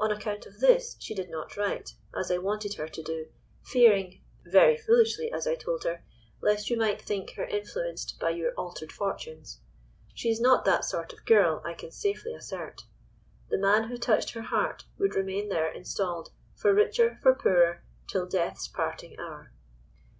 On account of this she did not write, as I wanted her to do, fearing (very foolishly, as I told her) lest you might think her influenced by your altered fortunes. She is not that sort of girl, I can safely assert. The man who touched her heart would remain there installed, for richer, for poorer, till death's parting hour.